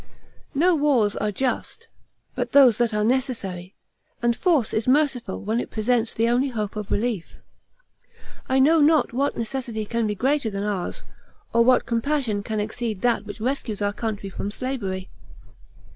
No wars are just but those that are necessary; and force is merciful when it presents the only hope of relief. I know not what necessity can be greater than ours, or what compassion can exceed that which rescues our country from slavery.